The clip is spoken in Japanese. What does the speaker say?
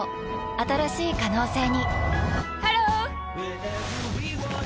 新しい可能性にハロー！